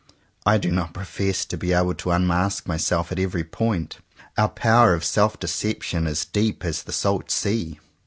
I do not profess to be able to unmask myself at every point. Our power of self deception is deep as the salt sea.